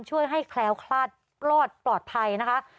ช่วยให้แคล้วคลาดรอดปลอดภัยนะคะ